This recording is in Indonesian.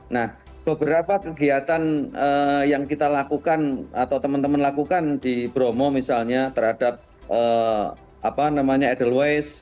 nah beberapa kegiatan yang kita lakukan atau teman teman lakukan di bromo misalnya terhadap edelweiss